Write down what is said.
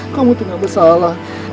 kamu tuh gak bersalah